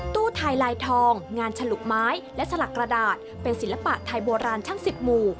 ตู้ไทยลายทองงานฉลุไม้และสลักกระดาษเป็นศิลปะไทยโบราณทั้ง๑๐หมู่